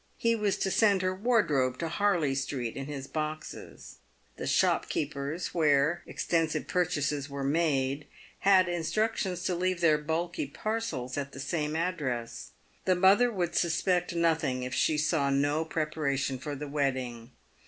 He was to send her wardrobe to Harley street in his boxes. The shopkeepers where extensive pur chases were made had instructions to leave their bulky parcels at the same address. The mother would suspect nothing if she saw no pre paration for the wedding.